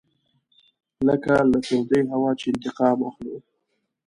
لکه له تودې هوا چې انتقام اخلو.